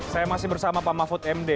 saya masih bersama pak mafud